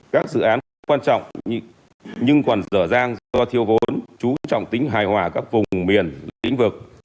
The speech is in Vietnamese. các dự án quan trọng nhưng còn rở ràng do thiêu vốn chú trọng tính hài hòa các vùng miền lĩnh vực